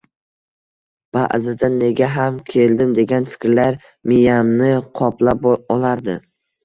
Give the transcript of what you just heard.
Ba`zida nega ham keldim degan fikrlar miyamni qoplab olardi